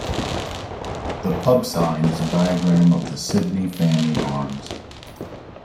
The pub sign is a diagram of the Sydney family arms.